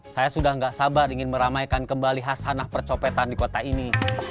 saya sudah tidak sabar ingin meramaikan kembali hasanah percopetan di kota ini